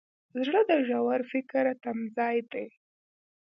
زړه د ژور فکر تمځای دی.